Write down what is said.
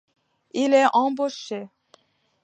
Il est embauché.